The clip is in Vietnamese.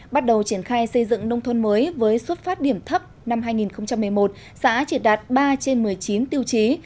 bắt đầu triển khai xây dựng nông thôn mới với xuất phát điểm thấp năm hai nghìn một mươi một xã chỉ đạt ba trên một mươi chín tiêu chí